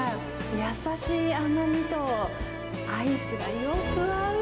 優しい甘みと、アイスがよく合う。